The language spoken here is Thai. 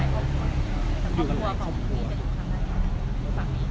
อยู่ฝั่งนี้